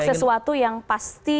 untuk sesuatu yang pasti